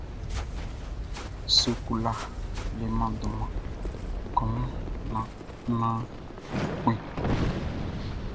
Sukula leman dunman kpanwun nun kun.